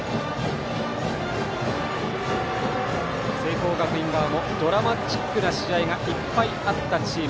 聖光学院側もドラマチックな試合がいっぱいあったチーム。